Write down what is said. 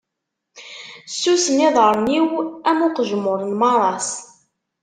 Ssusen iḍaṛṛen-iw am uqejmuṛ n maras.